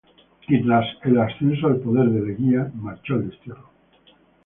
Y tras el ascenso al poder de Leguía, marchó al destierro.